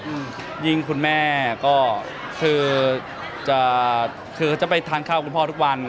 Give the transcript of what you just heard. อืมยิ่งคุณแม่ก็คือจะคือจะไปทานข้าวคุณพ่อทุกวัน